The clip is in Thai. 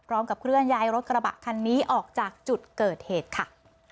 รองกับเครื่องย้ายรถกระบะคันนี้ออกจากจุดเกิดเหตุค่ะ